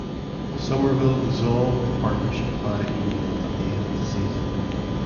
Somerville dissolved the partnership via email at the end of the season.